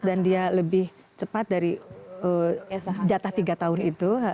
dan dia lebih cepat dari jatah tiga tahun itu